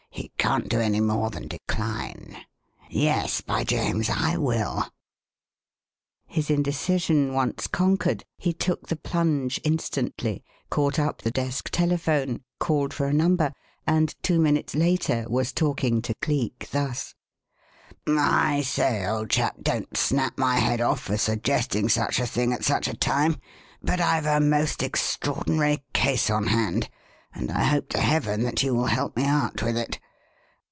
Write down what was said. He can't do any more then decline. Yes, by James! I will." His indecision once conquered, he took the plunge instantly; caught up the desk telephone, called for a number, and two minutes later was talking to Cleek, thus: "I say, old chap, don't snap my head off for suggesting such a thing at such a time, but I've a most extraordinary case on hand and I hope to heaven that you will help me out with it.